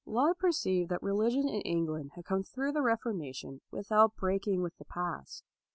Laud perceived that religion in England had come through the Refor mation without breaking with the past.